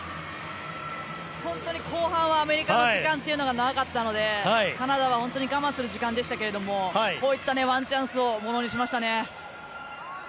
本当に後半はアメリカの時間が長かったのでカナダは本当に我慢する時間でしたけどこういったワンチャンスをものにしましたね。